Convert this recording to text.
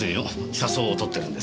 車窓を撮ってるんですから。